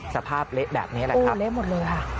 เละแบบนี้แหละครับเละหมดเลยค่ะ